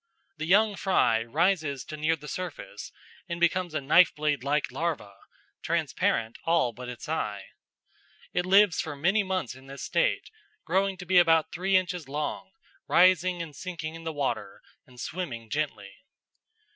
The young fry rises to near the surface and becomes a knife blade like larva, transparent all but its eye. It lives for many months in this state, growing to be about three inches long, rising and sinking in the water, and swimming gently.